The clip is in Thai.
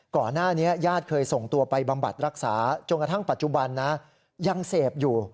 ก่อนหน้านี้ญาติเคยส่งตัวไปบำบัดรักษาจนกระทั่งปัจจุบันนะยังเสพอยู่